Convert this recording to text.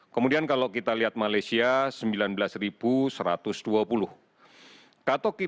kemudian kalau kita lihat malaysia sembilan belas satu ratus dua puluh